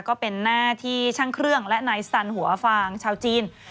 ก็เป็นหน้าที่ช่างเครื่องและนายสันหัวฟางชาวจีน